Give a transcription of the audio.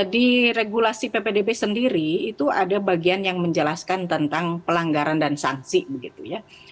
di regulasi ppdb sendiri itu ada bagian yang menjelaskan tentang pelanggaran dan sanksi begitu ya